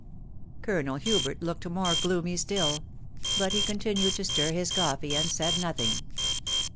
" Colonel Hubert looked more gloomy still ; but he continued to stir his coffee, and said nothing.